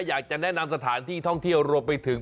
อยากจะแนะนำสถานที่ท่องเที่ยวรวมไปถึง